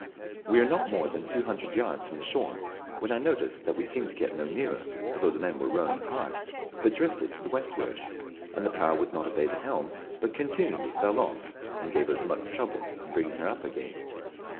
We were not more than two hundred yards from the shore, when I noticed that we seemed to get no nearer although the men were rowing hard, but drifted to the westward, and the prau would not obey the helm, but continually fell off, and gave us much trouble to bring her up again.